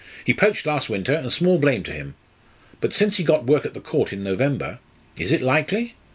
"He poached last winter, and small blame to him. But since he got work at the Court in November is it likely?